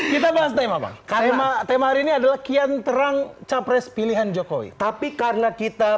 kita bahas tema bang tema tema hari ini adalah kian terang capres pilihan jokowi tapi karena kita